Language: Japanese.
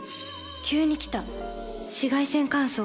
急に来た紫外線乾燥。